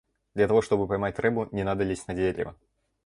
Для того чтобы поймать рыбу, не надо лезть на дерево.